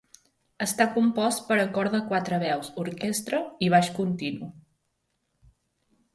Està compost per a cor de quatre veus, orquestra i baix continu.